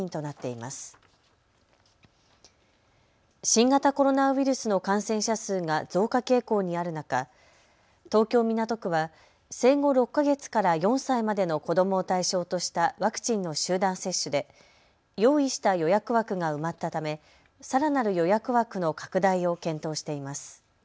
新型コロナウイルスの感染者数が増加傾向にある中、東京港区は生後６か月から４歳までの子どもを対象としたワクチンの集団接種で用意した予約枠が埋まったためさらなる予約枠の拡大を検討しています。